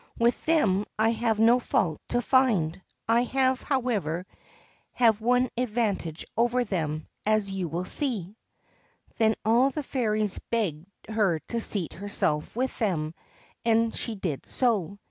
With them I have no fault to find ; I, however, have one advantage over them, as you will see !' Then all the fairies begged her to seat herself with them, and she did so.